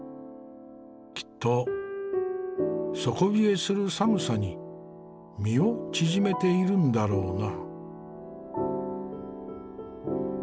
きっと底冷えする寒さに身を縮めているんだろうな。